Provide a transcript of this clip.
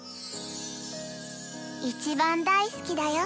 一番大好きだよ。